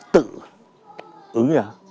tự ứng ra